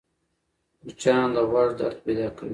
مچان د غوږ درد پیدا کوي